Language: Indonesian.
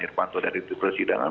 irpanto dihadirkan di persidangan